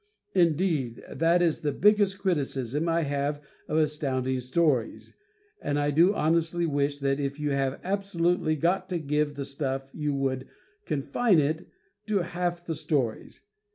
Indeed, that is the biggest criticism I have of Astounding Stories, and I do honestly wish that if you have absolutely got to give the stuff you would confine it to half the stories.